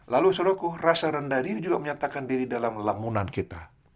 lalu solokoh rasa rendah diri juga menyatakan diri dalam lamunan kita